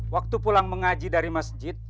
waktu pulang mengaji dari masjid